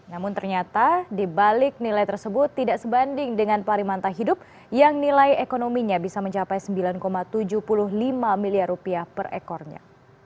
namun ternyata dibalik nilai tersebut tidak sebanding dengan parimanta hidup yang nilai ekonominya bisa mencapai sembilan tujuh puluh lima miliar rupiah per ekornya